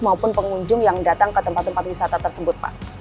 maupun pengunjung yang datang ke tempat tempat wisata tersebut pak